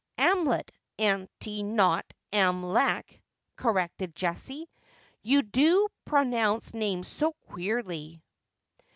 ' 'Amlet, auntie, not 'Amleck,' corrected Jessie ;' you do pro nounce names so queerly.'